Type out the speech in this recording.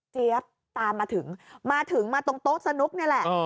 ตามมาถึงมาถึงมาตรงโต๊ะสนุกนี่แหละ